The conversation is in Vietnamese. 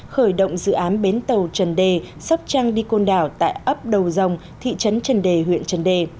khởi động dự án bến tàu trần đề sóc trăng đi côn đảo tại ấp đầu dòng thị trấn trần đề huyện trần đề